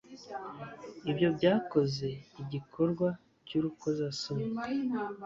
Ibyo byakoze igikorwa cyurukozasoni